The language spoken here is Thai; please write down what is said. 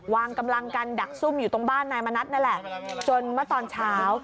วางกำลังกันดักซุ่มอยู่ตรงบ้านนายมณัฐนั่นแหละจนเมื่อตอนเช้า